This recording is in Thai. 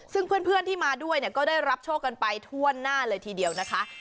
ซึ่งเพื่อนที่มาด้วยเนี่ยก็ได้รับโชคกันไปทั่วหน้าเลยทีเดียวนะคะ